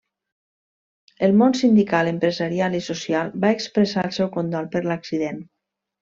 El món sindical, empresarial i social va expressar el seu condol per l'accident.